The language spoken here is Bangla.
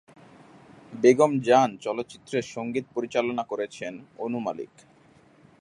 বেগম জান চলচ্চিত্রের সঙ্গীত পরিচালনা করেছেন অনু মালিক।